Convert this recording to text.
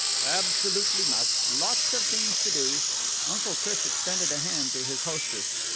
"Absolutely must. Lots of things to do." Uncle Chris extended a hand to his hostess.